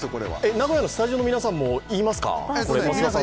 名古屋のスタジオの皆さんも言いますか？